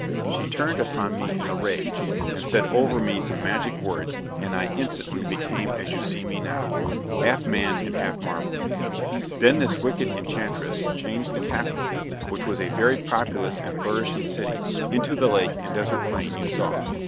She turned upon me in a rage, and said over me some magic words, and I instantly became as you see me now, half man and half marble. Then this wicked enchantress changed the capital, which was a very populous and flourishing city, into the lake and desert plain you saw.